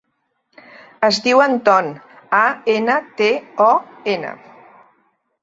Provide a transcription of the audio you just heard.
Es diu Anton: a, ena, te, o, ena.